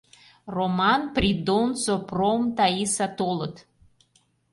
Роман, Придон, Сопром, Таиса толыт.